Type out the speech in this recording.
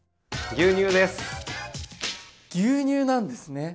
牛乳なんですね！